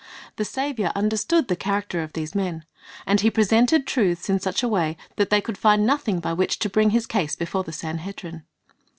The Saviour understood the character of these men, and He presented truth in such a way that they could find nothing by which to bring His case before the Sanhedrim.